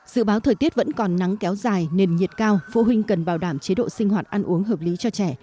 dự báo thời tiết vẫn còn nắng kéo dài nền nhiệt cao phụ huynh cần bảo đảm chế độ sinh hoạt ăn uống hợp lý cho trẻ